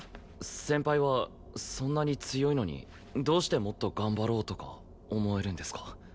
先輩はそんなに強いのにどうしてもっと頑張ろうとか思えるんですか？